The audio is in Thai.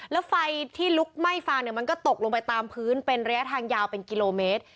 แล้วไฟที่ลุกไหม้ฟางเนี่ยมันก็ตกลงไปตามพื้นเป็นระยะทางยาวเป็นกิโลเมตร